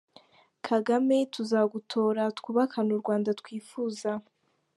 Kagame tuzagutora twubakane U Rwanda twifuza